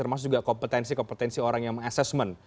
termasuk juga kompetensi kompetensi orang yang meng assessment